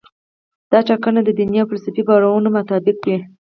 دا ټاکنه د دیني او فلسفي باورونو مطابق وي.